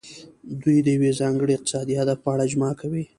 دوی د یو ځانګړي اقتصادي هدف په اړه اجماع کوي